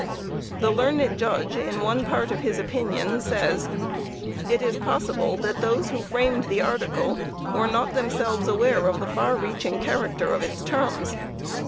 The learned judge, in one part of his opinion, says: "It is possible that those who framed the article were not themselves aware of the far reaching character of its terms.